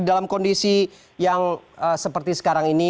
dalam kondisi yang seperti sekarang ini